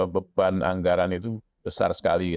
beban anggaran itu besar sekali